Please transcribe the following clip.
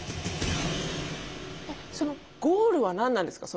ゴールは何なんですか？